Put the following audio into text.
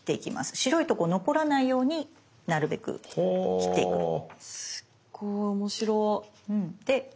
白いとこ残らないようになるべく切っていくんです。